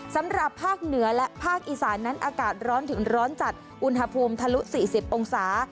สำหรับภาคเหนือและภาคอีสานนั้นอากาศร้อนถึงร้อนจัดอุณหภูมิทะลุ๔๐องศา